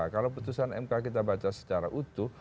kalau putusan mk kita baca secara utuh